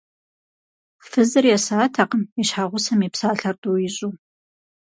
Фызыр есатэкъым и щхьэгъусэм и псалъэр тӏу ищӏу.